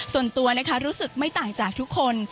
ส่วนตัวนะคะรู้สึกไม่ต่างจากทุกคน